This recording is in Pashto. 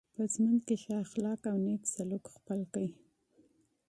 په ژوند کي ښه اخلاق او نېک سلوک خپل کئ.